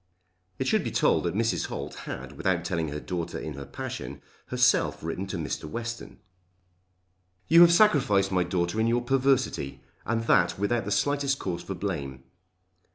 It should be told that Mrs. Holt had, without telling her daughter in her passion, herself written to Mr. Western. "You have sacrificed my daughter in your perversity, and that without the slightest cause for blame."